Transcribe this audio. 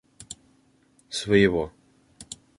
своего